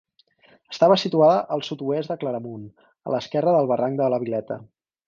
Estava situada al sud-oest de Claramunt, a l'esquerra del barranc de la Vileta.